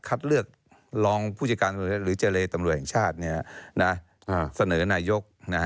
เลือกรองผู้จัดการตำรวจหรือเจรตำรวจแห่งชาติเสนอนายก